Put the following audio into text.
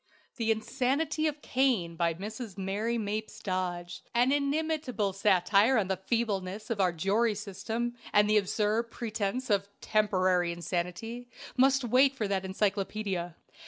"The Insanity of Cain," by Mrs. Mary Mapes Dodge, an inimitable satire on the feebleness of our jury system and the absurd pretence of "temporary insanity," must wait for that encyclopædia.